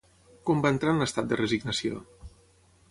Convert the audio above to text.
Com va entrar en l'estat de resignació?